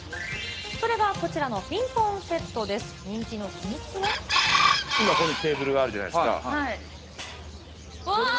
それがこちらのピンポンセットで今、ここにテーブルがあるじゃないですか。